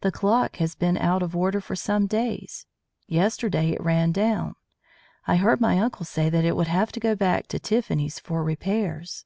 The clock has been out of order for some days. Yesterday it ran down. I heard my uncle say that it would have to go back to Tiffany's for repairs."